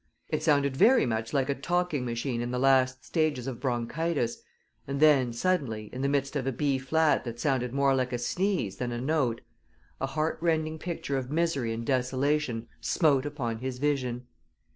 It sounded very much like a talking machine in the last stages of bronchitis, and then, suddenly, in the midst of a "B flat" that sounded more like a sneeze than a note, a heartrending picture of misery and desolation smote upon his vision.